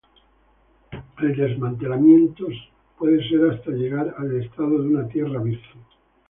El desmantelamiento puede ser hasta llegar al estado de una "tierra virgen".